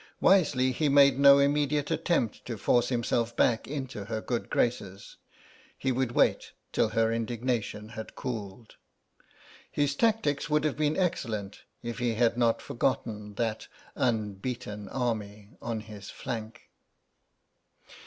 Wisely he made no immediate attempt to force himself back into her good graces. He would wait till her indignation had cooled. His tactics would have been excellent if he had not forgotten that unbeaten army on his flank.